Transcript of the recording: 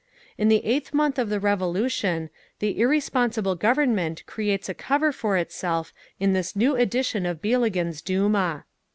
In the eighth month of the Revolution, the irresponsible Government creates a cover for itself in this new edition of Bieligen's Duma.